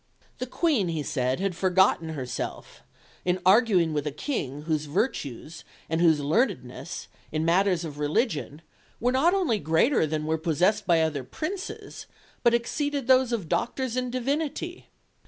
The Queen, he said, had forgotten herself, in arguing with a King whose virtues and whose learnedness in matters of religion were not only greater than were possessed by other princes, but exceeded those of doctors in divinity.